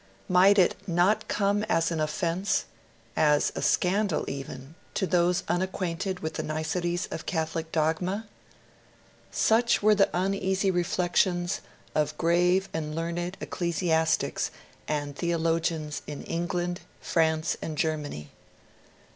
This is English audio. Might it not come as an offence, as a scandal even, to those unacquainted with the niceties of Catholic dogma? Such were the uneasy reflections of grave and learned ecclesiastics and theologians in England, France, and Germany.